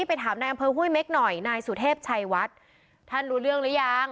ไปถามนายอำเภอห้วยเม็กหน่อยนายสุเทพชัยวัดท่านรู้เรื่องหรือยัง